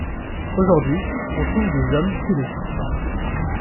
Aujourd'hui, on trouve des hommes qui le tissent.